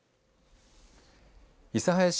諫早市